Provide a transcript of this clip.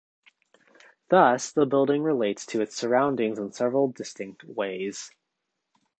Thus, the building relates to its surroundings in several distinct ways.